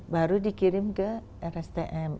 baru dikirim ke rstm